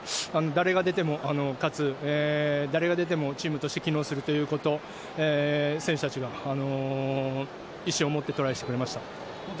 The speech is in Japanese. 誰が出ても勝つ、誰が出てもチームとして機能するということを選手たちが意思を持ってトライしてくれました。